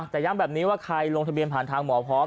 แต่ย้ำแบบนี้ว่าใครลงทะเบียนผ่านทางหมอพร้อม